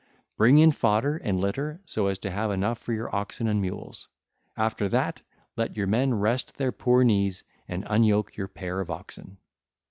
Bring in fodder and litter so as to have enough for your oxen and mules. After that, let your men rest their poor knees and unyoke your pair of oxen.